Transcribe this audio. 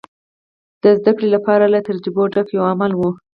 د زدهکړې لپاره له تجربو ډک یو عمل و.